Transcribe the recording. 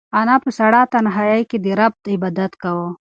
انا په سړه تنهایۍ کې د رب عبادت کاوه.